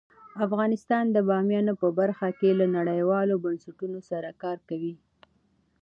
افغانستان د بامیان په برخه کې له نړیوالو بنسټونو سره کار کوي.